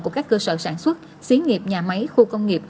của các cơ sở sản xuất xí nghiệp nhà máy khu công nghiệp